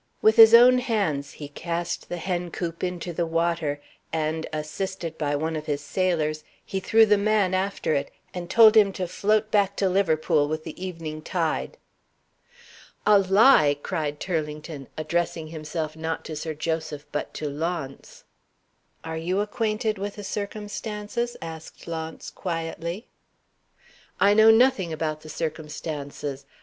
With his own hands he cast the hen coop into the water, and (assisted by one of his sailors) he threw the man after it, and told him to float back to Liverpool with the evening tide." "A lie!" cried Turlington, addressing himself, not to Sir Joseph, but to Launce. "Are you acquainted with the circumstances?" asked Launce, quietly. "I know nothing about the circumstances.